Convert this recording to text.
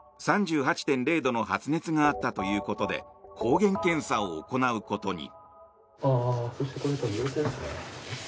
３８．０度の発熱があったということで抗原検査を行うことに。